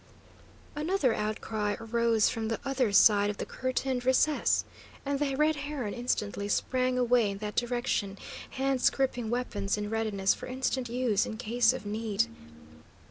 Another outcry arose from the other side of the curtained recess, and the Red Heron instantly sprang away in that direction, hands gripping weapons in readiness for instant use in case of need.